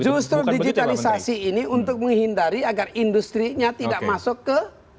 justru digitalisasi ini untuk menghindari agar industri itu bisa berjalan dengan lebih baik